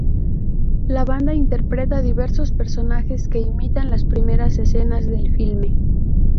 La banda interpreta diversos personajes que imitan las primeras escenas del filme.